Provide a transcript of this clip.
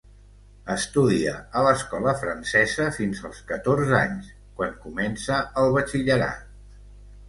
Estudia a l'Escola Francesa fins als catorze anys, quan comença el batxillerat.